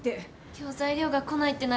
今日材料が来ないってなると。